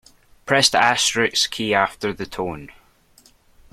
Press the asterisk key after the tone.